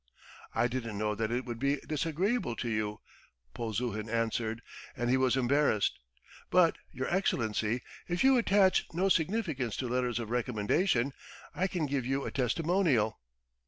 "I didn't know that it would be disagreeable to you," Polzuhin answered, and he was embarrassed. "But, your Excellency, if you attach no significance to letters of recommendation, I can give you a testimonial.